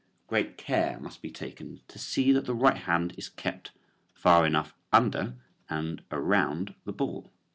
Great care must be taken to see that the right hand is kept far enough under and around the ball.